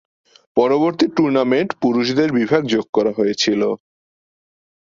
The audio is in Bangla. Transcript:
পরবর্তী টুর্নামেন্ট পুরুষদের বিভাগ যোগ করা হয়েছিল।